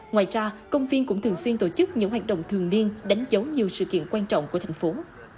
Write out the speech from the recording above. ngoài ra công viên cũng thường xuyên tổ chức những hoạt động thường niên đánh dấu nhiều sự kiện quan trọng của thành phố